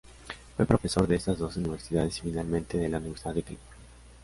Fue profesor de estas dos universidades y finalmente de la Universidad de California.